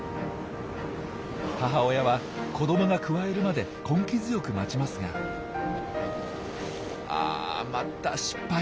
母親は子どもがくわえるまで根気強く待ちますがあまた失敗。